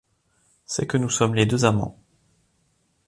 C’est que nous sommes les deux amants.